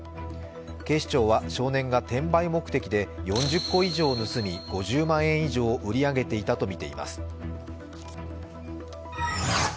警視庁は少年が転売目的で４０個以上盗み、５０万円以上を売り上げていたとみています。